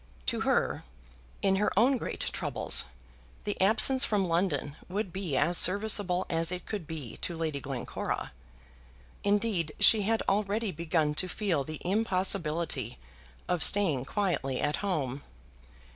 To her, in her own great troubles, the absence from London would be as serviceable as it could be to Lady Glencora. Indeed, she had already begun to feel the impossibility of staying quietly at home.